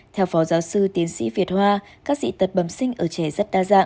theo phó giáo sư tiến sĩ việt hoa các dị tật bẩm sinh ở chảy rất đa dạng